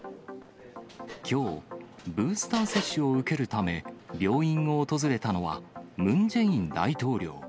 きょう、ブースター接種を受けるため病院を訪れたのは、ムン・ジェイン大統領。